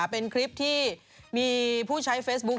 เป็นคลิปที่มีผู้ใช้เฟซบุ๊ค